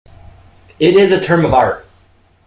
It is a term of art.